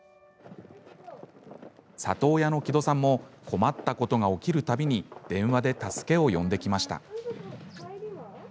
里親の木戸さんも困ったことが起きるたびに電話で助けを呼んできました。